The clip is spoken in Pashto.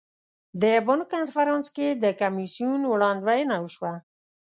د بن کنفرانس کې د کمیسیون وړاندوینه وشوه.